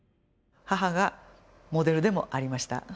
母がモデルでもありました。